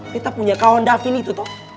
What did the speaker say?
kita punya kawan davin itu tuh